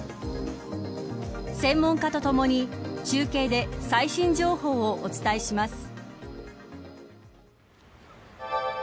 専門家とともに中継で最新情報をお伝えします。